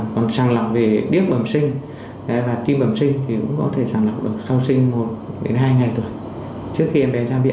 còn sàng lọc về điếc bẩm sinh và tim bẩm sinh thì cũng có thể sàng lọc được sau sinh một đến hai ngày tuổi trước khi em bé tra viện